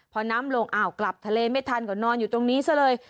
พอน้ำลงอ้าวกลับทะเลไม่ทันก็นอนอยู่ตรงนี้ซะเลย